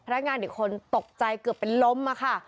พลังงานเดี๋ยวคนตกใจเกือบเป็นล้มมาค่ะ